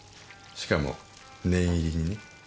しかも念入りにね。